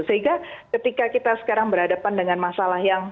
sehingga ketika kita sekarang berhadapan dengan masalah yang